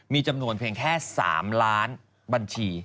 มีจำนวนเพียงแค่๓ล้านบัญชี